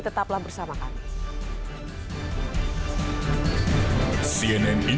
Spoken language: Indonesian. tetaplah bersama kami